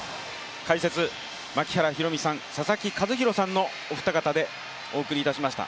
解説、槙原寛己さん、佐々木主浩さんのお二方でお送りいたしました。